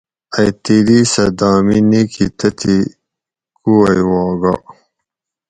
ائ تیدی سٞہ دامئ نِکی تتھیں کُووٞئی وا گا